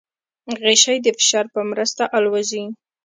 غشی د فشار په مرسته الوزي.